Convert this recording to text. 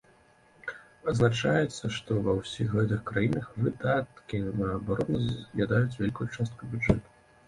Адзначаецца, што ва ўсіх гэтых краінах выдаткі на абарону з'ядаюць вялікую частку бюджэту.